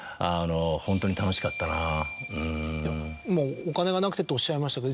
お金がなくてっておっしゃいましたけど。